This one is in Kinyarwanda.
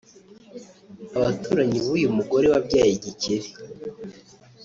Abaturanyi b’uyu mugore wabyaye igikeri